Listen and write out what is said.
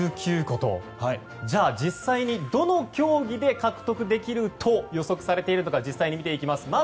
じゃあ実際に、どの競技で獲得できると予測されているのか実際に見ていきます。